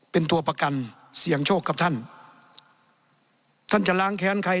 เป็นตัวประกันเสี่ยงโชคกับท่านท่านจะล้างแค้นใคร